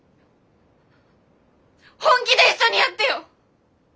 本気で一緒にやってよ！